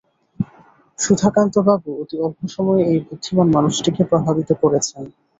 সুধাকান্তবাবু অতি অল্প সময়ে এই বুদ্ধিমান মানুষটিকে প্রভাবিত করেছেন।